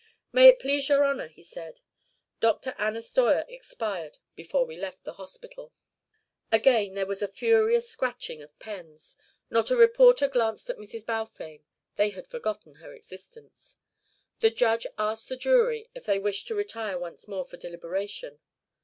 "May it please your honour," he said, "Dr. Anna Steuer expired before we left the hospital." Again there was a furious scratching of pens. Not a reporter glanced at Mrs. Balfame. They had forgotten her existence. The Judge asked the jury if they wished to retire once more for deliberation.